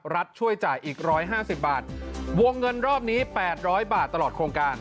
ช่วยจ่ายอีก๑๕๐บาทวงเงินรอบนี้๘๐๐บาทตลอดโครงการ